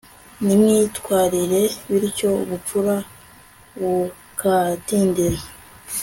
n'imyitwarire bityo ubupfura bukadindira